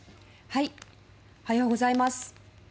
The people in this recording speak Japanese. おはようございます。